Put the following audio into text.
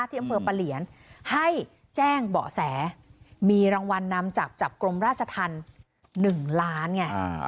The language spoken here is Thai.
ที่อำเภอปะเหลียนให้แจ้งเบาะแสมีรางวัลนำจับจากกรมราชธรรม๑ล้านไง